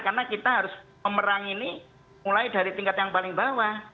karena kita harus pemerang ini mulai dari tingkat yang paling bawah